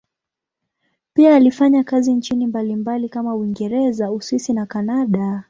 Pia alifanya kazi nchini mbalimbali kama Uingereza, Uswisi na Kanada.